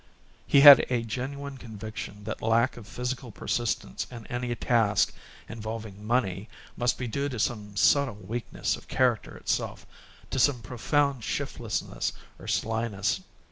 He had a genuine conviction that lack of physical persistence in any task involving money must be due to some subtle weakness of character itself, to some profound shiftlessness or slyness.